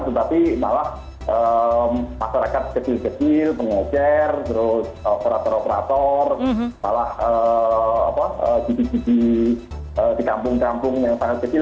tetapi malah masyarakat kecil kecil pengecer terus operator operator malah gigi gigi di kampung kampung yang sangat kecil